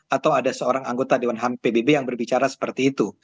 atau ada seorang anggota dewan ham pbb yang berbicara seperti itu